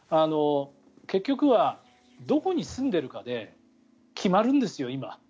結局はどこに住んでいるかで決まるんですよ、今。